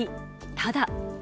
ただ。